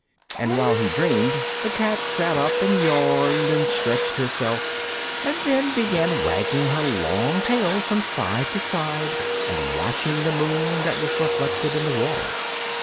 And while he dreamed, the cat sat up and yawned and stretched herself, and then began wagging her long tail from side to side and watching the moon that was reflected in the water.